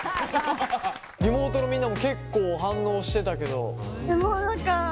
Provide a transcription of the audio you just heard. リモートのみんなも結構反応してたけど。